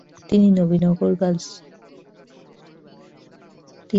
তিনি নবীনগর গার্লস স্কুলের অঙ্কের শিক্ষক ছিলেন।